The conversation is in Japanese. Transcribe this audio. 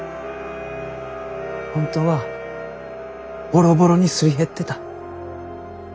本当はボロボロにすり減ってた。